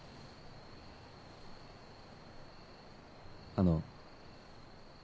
あの。